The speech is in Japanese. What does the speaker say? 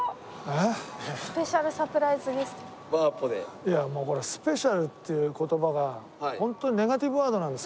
いやもうこれスペシャルっていう言葉がホントにネガティブワードなんです